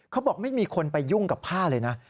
เขาบอกไม่มีคนไปยุ่งกับผ้าเลยนะ